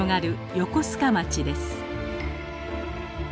横須賀町です。